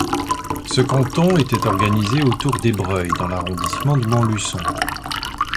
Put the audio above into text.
Ce canton était organisé autour d'Ébreuil dans l'arrondissement de Montluçon.